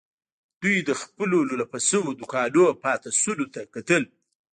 دوی د خپلو لولپه شويو دوکانونو پاتې شونو ته کتل.